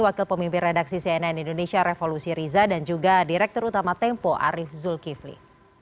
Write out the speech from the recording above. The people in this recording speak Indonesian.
wakil pemimpin redaksi cnn indonesia revolusi riza dan juga direktur utama tempo arief zulkifli